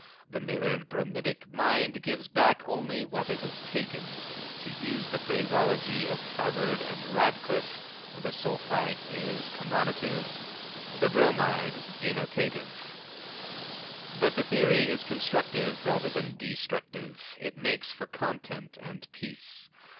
The mirrored bromidic mind gives back only what it has taken. To use the phraseology of Harvard and Radcliffe, the Sulphite is connotative, the Bromide denotative. But the theory is constructive rather than destructive. It makes for content, and peace.